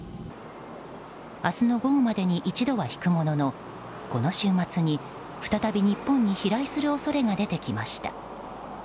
明日の午後までに一度は引くもののこの週末に再び日本に飛来する恐れが出てきました。